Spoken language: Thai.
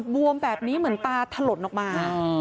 บวมแบบนี้เหมือนตาถล่นออกมา